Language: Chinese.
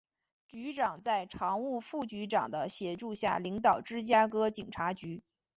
局长在常务副局长的协助下领导芝加哥警察局。